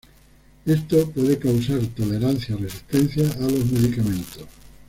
Esto puede causar tolerancia o resistencia a los medicamentos.